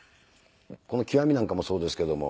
この「極」なんかもそうですけども。